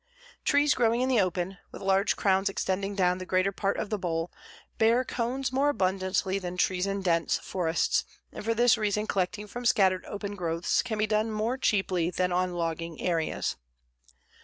Trees growing in the open, with large crowns extending down the greater part of the bole, bear cones more abundantly than trees in dense forests, and for this reason collecting from scattered open growths can be done more cheaply than on logging areas.